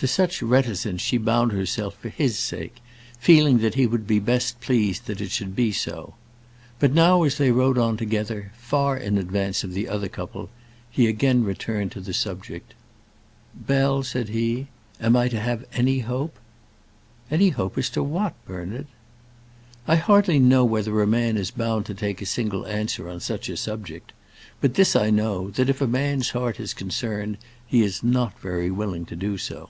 To such reticence she bound herself for his sake, feeling that he would be best pleased that it should be so. But now as they rode on together, far in advance of the other couple, he again returned to the subject. "Bell," said he, "am I to have any hope?" "Any hope as to what, Bernard?" "I hardly know whether a man is bound to take a single answer on such a subject. But this I know, that if a man's heart is concerned, he is not very willing to do so."